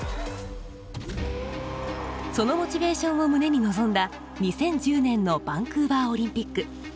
そのモチベーションを胸に臨んだ２０１０年のバンクーバーオリンピック。